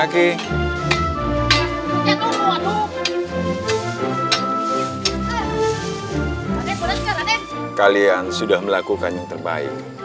kalian sudah melakukan yang terbaik